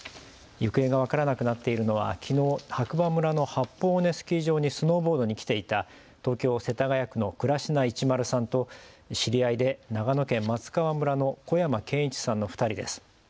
行方が分からなくなっているのはきのう白馬村の八方尾根スキー場にスノーボードに来ていた東京世田谷区の倉科一丸さんと知り合いで長野県松川村の小山賢一さんの２人です。